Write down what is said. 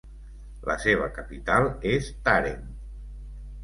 La seva capital és Tàrent.